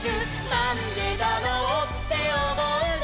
「なんでだろうっておもうなら」